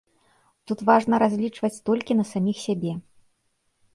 Тут важна разлічваць толькі на саміх сябе.